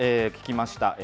聞きました。